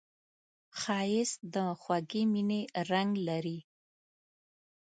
ښایست د خوږې مینې رنګ لري